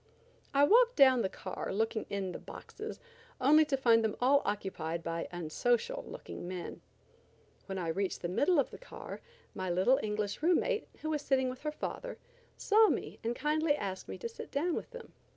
I walked down the car looking in the "boxes" only to find them all occupied by unsocial looking men. When I reached the middle of the car my little English room mate, who was sitting with her father, saw me and kindly asked me to sit down with them.